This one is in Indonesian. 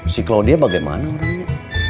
si claudia bagaimana orangnya